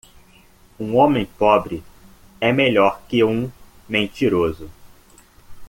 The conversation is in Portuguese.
Um homem pobre é melhor que um mentiroso.